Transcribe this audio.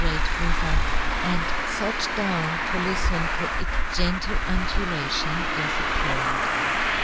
great river, and fat down to liften to its gentle undulation as it flowed.